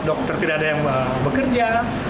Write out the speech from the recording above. dokter tidak ada yang bekerja